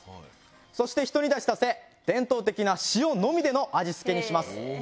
そしてひと煮立ちさせ伝統的な塩のみでの味付けにします。